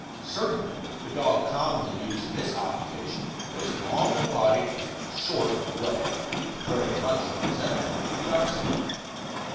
Certainly the dog commonly used in this occupation was long of body and short of leg, very much resembling the Dachshund.